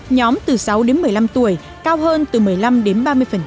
nhóm từ sáu đến một mươi năm tuổi cao hơn từ một mươi năm đến ba mươi